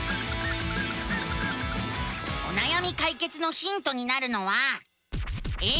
おなやみかいけつのヒントになるのは。